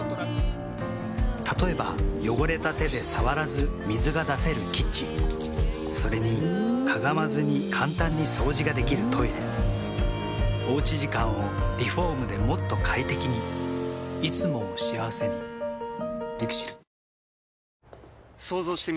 例えば汚れた手で触らず水が出せるキッチンそれにかがまずに簡単に掃除ができるトイレおうち時間をリフォームでもっと快適にいつもを幸せにＬＩＸＩＬ。